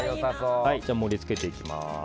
盛り付けていきます。